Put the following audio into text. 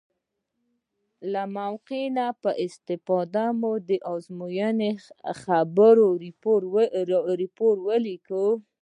له موقع نه په استفادې مو د ازموینې خبري راپور ولیکه.